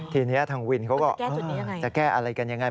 ทีนี้ทางวินเขาก็จะแก้อะไรกันยังไง